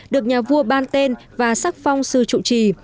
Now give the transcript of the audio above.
được nhà vua ban tên và sắc phong sư chủ trì